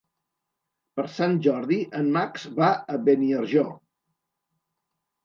Per Sant Jordi en Max va a Beniarjó.